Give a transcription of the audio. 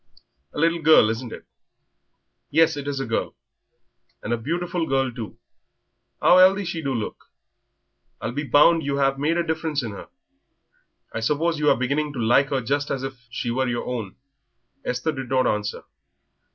A little girl, isn't it?" "Yes, it is a girl." "And a beautiful little girl too. 'Ow 'ealthy she do look! I'll be bound you have made a difference in her. I suppose you are beginning to like her just as if she was your own?" Esther did not answer.